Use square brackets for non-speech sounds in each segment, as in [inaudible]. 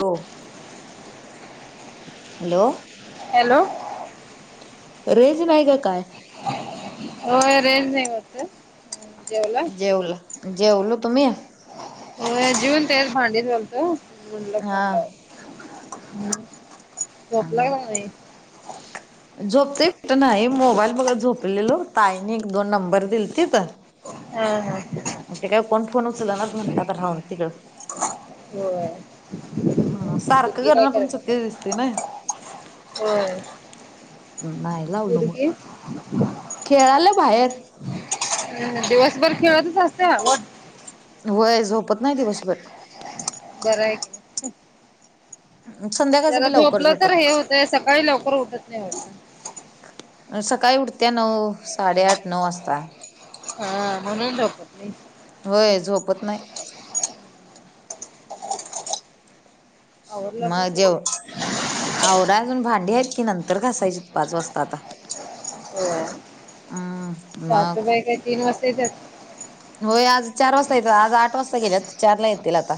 हो. Hello hello range नाही का काय? हो रेज नाही वाटत जेवला जेवलो, जेवलो तुम्ही? हो जीवन तेच भांडी घालतो म्हणलं कॉल हा लाववा हम् हा मंग झोपते भेट नाही मोबाईल बघा झोपलेलो ताईने एक दोन नंबर दिलेती तर हा हा ग ते काय कोण फोन उचलना म्हणल तर राहुदे तिकड हो हम सारखं करण पण करायली चुकीच दिसते ना होय नाही लावल मग, पोरगी खेळालं बाहेर हम् दिवसभर खेळतच असत्या होय झोपत नाही दिवसभर कर ये की संध्या जरा झोपलं तर हे होतंय सकाळी लवकर उठत नाही सकाळी उठत्या नऊ साडेआठ नऊ वाजता हा म्हणून झोपत नाई. होय झोपत नाही. आवरला का सगळ? आवराय अजून भांडी आहेत की नंतर घासायची पाच वाजता आता हो हम्म मग सासुबाई काय तीन वाजता येतात. होय आज चार वाजता येत आज आठ वाजता गेल्या चारला येतील आता.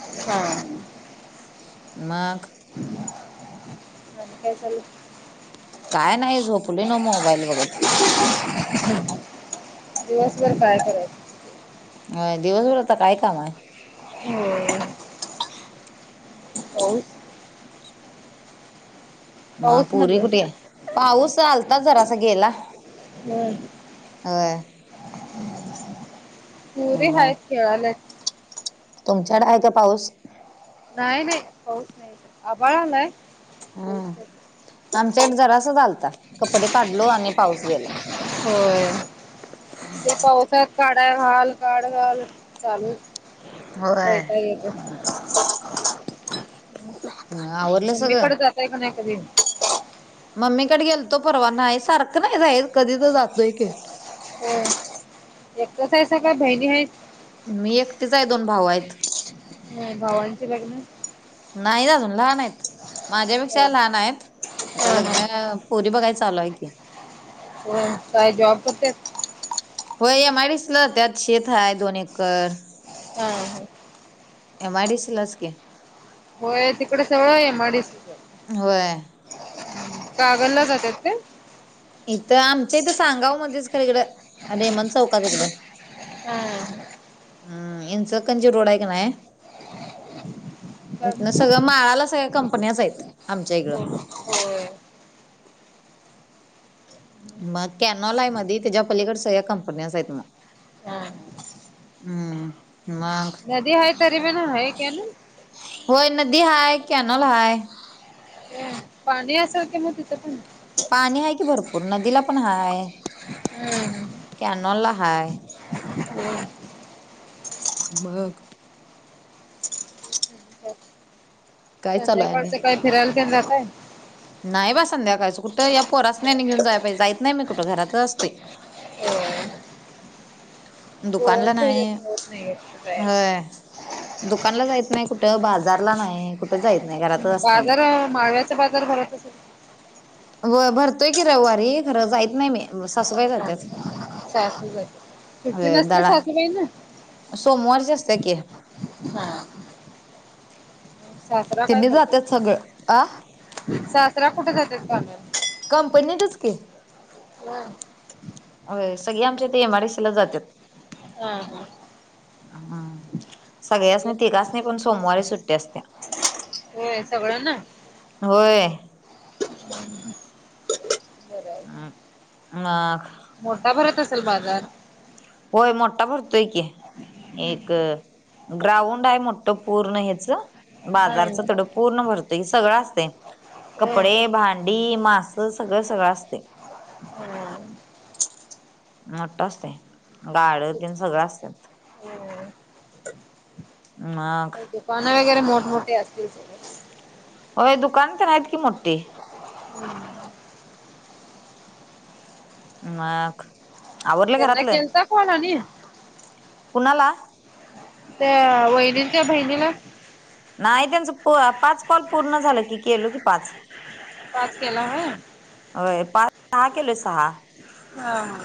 हा मघ काय चाललय? काय नाही झोपले न मोबाईल बगत. दिवसभर काय करायचं. हो दिवसभर आता काय काम आहे. हम्म पाऊस मग पाऊस पोरगी म्हटलं कुठे आहे? पाऊस आलत जरासा गेला हम्. अ वाय पूरे हा खेळला. तुमच्याकड आहे का पाऊस नाही नाही होऊच नाही आबाळ आलाय. पाऊस हम्म नाही आमच्याकड जरास आलत कपडे काढलो आणि पाऊस गेला होय ते पावसात काढा घाल काढ घाल चालू होय वैताग एकाच. ह आवरलं सगळं. मम्मीकडे जाताय का नाही कधी मम्मीकडे गेल तो परवा नाही सारखं नाही जाईल कधी तर जातोय क हम एकच आहे स का बहिणी आहे. मी एकटीच आहे दोन भाऊ आहेत. ह भावांचे लग्न. नाही अजून लहान आहेत माझ्यापेक्षा हा लहान आहेत आता हा लग्नाला. पोरी बघाय चालू हाय की. हो काय जॉब करते हो यामाईडिसि जात्यात शेत आहे दोन एकर. हा एमआयडीसीलाच की. होय तिकडे सवळय एम आईडिसिंचा. होय. कागल ला जातात ते इथं आमच्या इथं सांगाव मध्येच खर इकडं रेमन चौकात तिकडं हम. हम्म यांचकची रोड आहे का नाही काय म्हणला सगळं माळाला सगळ्या कंपन्याच आहेत आमच्या इकडं हो. मग कॅनॉल आहे मध त्याच्या पलीकड सगळ्या कंपन्याच आहेत मग. हम् म मग. नदी आहे तरी बी गण आहे कॅनाल. होय नदी हाय कॅनल हाय. ना पाणी असेल किं म तिथं पण पाणी आहे की भरपूर नदीला पण हाय. हम् कॅनोला हाय. बघ. काय चालू आहे आणि? संध्याकाळचं काय फिरायला तेन जाताय? नाही बा संध्याकाळचं,, कुठं या पोरास आणीनघेऊन जाय पाहिजे, जाय्तच नाही मी कुठं, घरातच असतोय. दुकानला पोरांच्या नाही,, ह्याच्यात होत नाही जायचं होय, दुकानला जायत नाही कुठं? बाजारला नाही कुठ? जाईत नाई, बाजार, माळव्याचा बाजार भरत असलऽ वय भरतोय की रविवारी,, खरं जायत नाही मी, सासूबाई जात्यात सासूबाई,,, सुट्टी नसत्या दळा सासूबाई ना? सोमवारची आसत्या की. हां, सासरा काय त्यांनी करतात? जात्यात सगळं आ सासरा कुठे जातात कानाऽ कंपनीतच की. होय, अ, सगळे आमच्या इथे एम आय डि सी लाच जात्यात. हा, हा, हम्म,, सगळ्यासनी तिघासनि पण सोमवारी सुट्टी असत्या. होय, सगळा नां. होय, हम्,, मग, मोटा भरत असल बाजार? होय,, मोठा भरतोय कि. एक, ग्राउंड आहे मोठं पूर्ण ह्याच,, बाजारच थोडंऽ पूर्ण भरतोय, सगळं असतय. कपडे, भांडी, मास सगळं, सगळं असतय. हा मोठ असतय,, गाड तन सगळं असतात. हम्, मग? दुकान ंवगैरे मोठमोठे असतील? होय, दुकान तर हाईत की मोठीे. मग? आवरलं येना घरातलं केलता कॉल आती? कोुणाला? त्या वहिनिन त्या बहिणीला. नाही, त्यांचं पाच कॉल पूर्ण झालं की, केलो की पाच. पाच केला होय,, वय पाच,, सहा केलोय सहा. हां,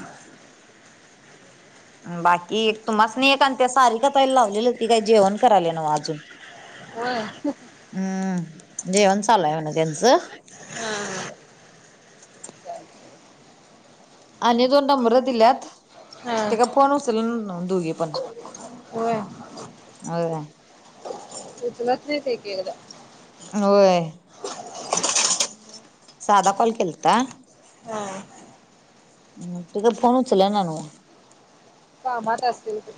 बाकी एक तुम्हासनी एक आणि त्या सारीका ताईला लावलेलो, ती काय जेवण करायले नवं अजूनऽ होय, हम्म,, जेवण चालूय म्ह ना त्यांचं,, हा आणि दोन नंबरं दिल्यात,, हा ते काय फोन उछलना दोघ पणऽ होय होय, उचलत नाहीत एक कथा. होय, साध काॉल केलता,, हा, तिज फोन उचलना नवं. कामात असतील ते,,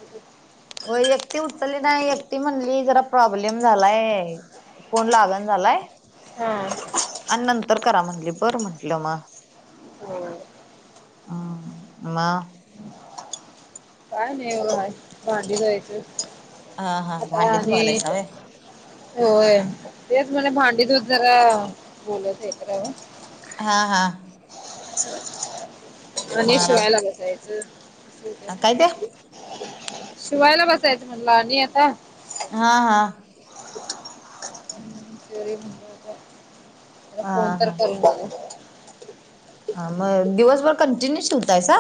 हो एकटी उचलली नाही एकटी म्हणली जरा प्रॉब्लेम झालाय फोन लागण झालाय हम् आणि नंतर करा म्हणली बरं म्हंटलं मग होय हम आ काय नाहीय भांडी धुवायची हा हा आता भांडी आणि धुवालायसा व्हय होय तेच म्हला भांडी दूध जरा बोलत आहे तर हा हा आणि शिवायला बसायचं अ कायत्या शिवायला बसायचं म्हटलं आणि आता हा हा तेरी ला हा फोन तर हा करू म हा मग दिवसभर कंटिन्यू शिवतायसा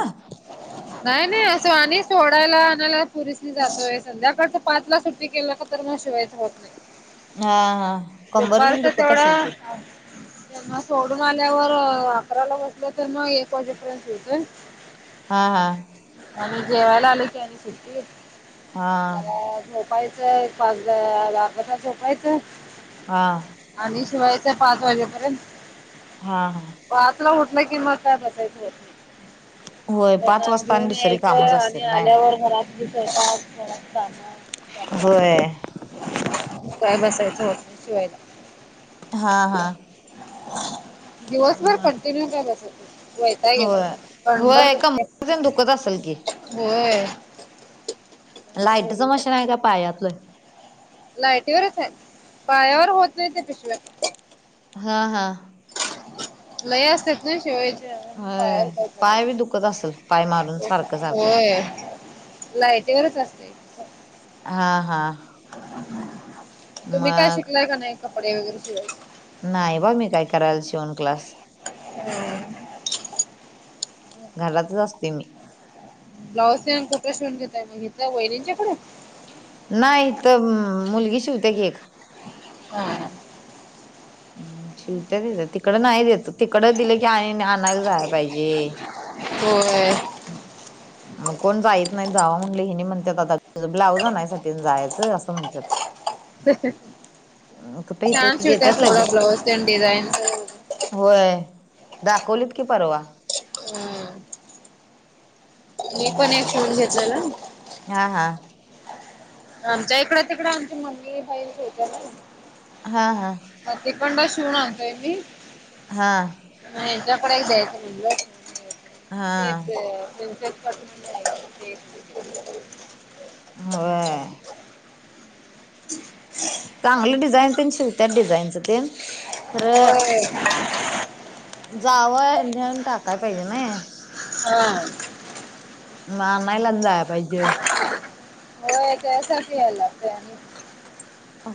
नाही नाही असो आणि सोडायला आणायला पोरीसली जातोय संध्याकाळच पाचला सुट्टी केलं का तर म [unintelligible] शिवाय तर होत नाही. हा हा कंबर तेन दुपारच दुखत असेल तेवढा की तेव्हा सोडून आल्यावर अकराला बसलं तर मग एक वाजे पर्यंत शिवतोय हा हा आणि जेवायला आलो की आणि सुट्टीला हा जरा [unintelligible] झोपायचं [unintelligible] गता झोपायचं हा आणि शिवायचय पाच वाजेपर्यंत हा हा पाचला उठला कि नाय बसायचं होत व्हय पाच तर वाजता आणि घेऊन दुसरी यायचं कामच आणि असत्यात नाय आल्यावर घरातील स्वयंपाक घरात काम चालू होय होतात. काय बसायचं होत नाही शिवायच हा हा दिवसभर कन्टिन्यू नाही बसायच वैताग येतो कंबर दुखते. क [unintelligible] दुःखत असल की? व्हय लाईटचं मशीनय का पायातलं? लायटीवरच आहे पायावर होत नाही त्याच्याशिवाय हा हा लय असतेत ना शिवायचे होय पायावर पाय काय बी दुखत असेल पाय मारून [unintelligible] सारखं सारखं होय नाही तिकडंच असते हा हा तुम्ही काय मग शिकलाय का नाही कपडे वगैरे शिकवायचं? नाही हो मी काय करायला शिवण क्लास [inaudible] हम् घरातच असते मी ब्लाऊज ते कुठं शिवून घेताय इथं वहिनीच्याकडं? नाही तर मुलगी शिवते की एक हा हम शिवत्यात इथं तिकड नाही द्यायचं तिकड दिलं की आणायला जाय पाहिजे होय मग कोण जायीत नाही जावा म्हणलं हिणीं म्हणतात आता ब्लाऊज आणायसाठी जायचं असं म्हणतात [inaudible] कुठे इथ छान देतात शिवतात थोडा लगेच ब्लाऊज डिझाईनच होय दाखवलीत की परवा मी पण एक हम्म शिवून घेतलेलं हा हा आमच्या इकड तिकडे आमच्या मम्मी आई शिवतात ना हा हा ह तिकंड शिवून आणतोय मी हां हिच्याकडे एक द्यायचं म्हणलं हा तेच त्यां [unintelligible] क [unintelligible] [inaudible] होय चांगलं डिझाईनच ते शिवतात डिझाईनच ते खरं होय जावं नेहून टाकाय पाहिजे नय हा म आणायला जाय पाहिजे हो त्या साठी यायला लागतय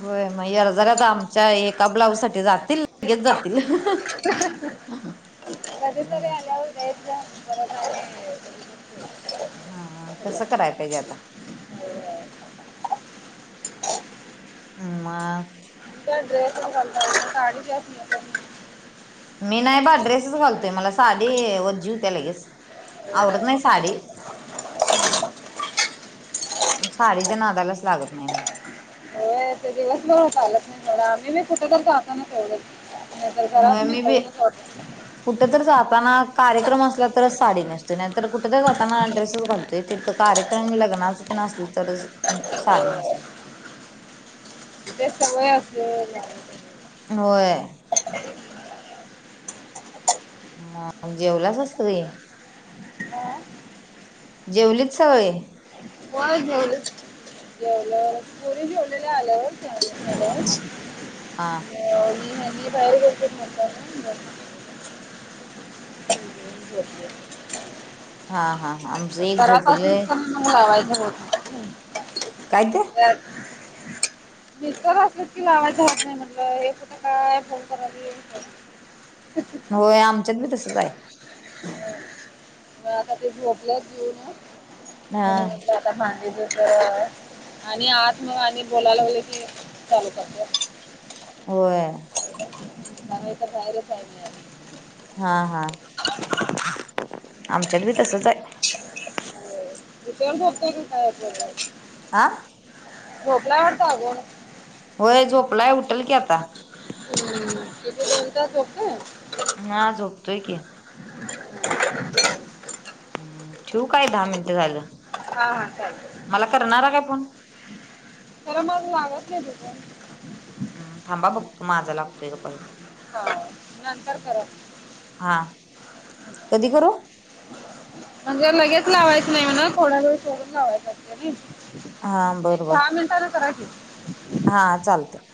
होय मग यर्जारऱ्या आमच्या एका ब्लाऊज साठी जातील. लगेच जातील. [inaudible] कध तररी आल्या वर [unintelligible] हा तसं करायला पाहिजे आता. ह मग. त्याड्रेस तरी घालता येते साडी काय मी नाही बा ्रेसेस घालतोय मला साडी वजी व्हत्या लगेच. अड नाही साडी. साडीच्या नादालाच लागत नाही मी. होय ते दिवस बर चालत नाही सोडा मी कुठेेतरी गाताना तेवड नाही तर घराच होय मी बी गाऊनच वापरतोय. कुठ तररी जाताना कार्यक्रम असल्या तरच साडी नेसतेय नाहीतर कुठे तर जाताना ड्रेसेस घालतोय ते. कार्यक्र लग्नाच तेन आसल तरच साडी नेसायच. ते सवय असल्या वर होय. [inaudible] ह जेवलाच असत की. जेवलीच सगळे. हो जेवलं जेवलं पुोरीे जेवलेलं आलंवर. हा हा हा. हणी बाहेर गेलेतत म्हताना हम्. आहे हा हा आमचं एक झोपलंय म आवाज नाही बत काय ते. ह [unintelligible] निसत असल की लावायचं होत नाही म्हटलं हे कुठं काय फोन करायवी हे वि अच्छा [unintelligible] होय आमच्यात बी तसच आहे. म आता ते झोपल्याच जेऊन हा म्हणून म्हटलं भां तर आणि आत मग आणि बोलायला कि चालू करत्यात. होय. घराच्या बाहेरच आहे मी आजून. हा हा आमच्यात बी तसच आहे. कठेवर भत काय आ. झोपलाय वाडत आजून. होय झोपलाय उठेल की आता. हम्म किती दोन तास झोपतोय. ना झोपतोय की. हम्म ठेव काय दहा मिनिटं झालं. हा हा चालंय मला करणारा काय तर फोन खरं मग लागत नाही रिटर्न. हम् थांबा बघ तो माझा लागतोय का परत. हा नंतर करा. हा कधी करू. म्हणजे लगेच लावायच नाही म्हणा थोड्या वेळ सोडून लावायचा. हा बर एक बर दहा मिनटने करा की. हा चालतय.